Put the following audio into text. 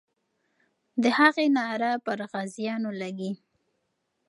د هغې ناره پر غازیانو لګي.